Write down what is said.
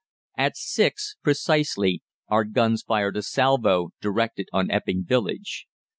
"At six precisely our guns fired a salvo directed on Epping village.